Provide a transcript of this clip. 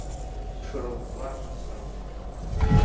Бҽырӷәӷәа, сан!